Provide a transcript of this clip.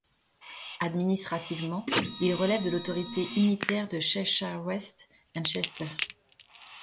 Administrativement, il relève de l'autorité unitaire de Cheshire West and Chester.